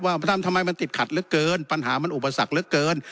ว่าทำทำไมมันติดขัดเหลือเกินปัญหามันอุปสรรคเหลือเกิน